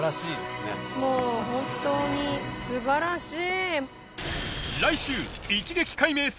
もう本当に素晴らしい！